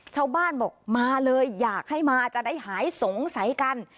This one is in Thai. ชาวบ้านบอกมาเลยอยากให้มาจะได้หายสงสัยกัน